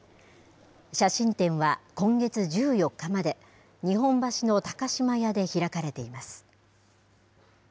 写真展は今月１４日まで、日本橋の高島屋で開かれています。